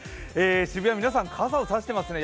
渋谷、皆さん傘を差してますね。